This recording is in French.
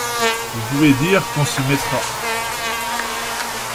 Vous pouvez dire qu’on s’y mettra.